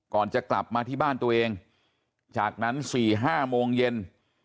ก่อนจะกลับมาที่บ้านตัวเองจากนั้น๔๕โมงเย็น